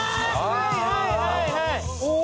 はいはいはいはい。